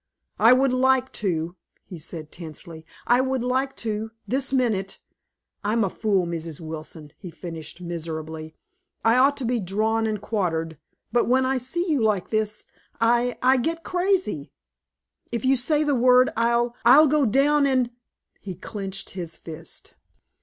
"I would like to!" he said tensely. "I would like, this minute I'm a fool, Mrs. Wilson," he finished miserably. "I ought to be drawn and quartered, but when I see you like this I I get crazy. If you say the word, I'll I'll go down and " He clenched his fist.